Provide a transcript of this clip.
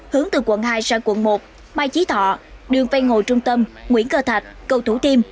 hướng từ quận hai sang quận một mai trí thọ đường vây ngồi trung tâm nguyễn cơ thạch cầu thủ tiêm